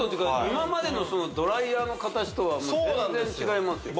今までのドライヤーの形とは全然違いますよ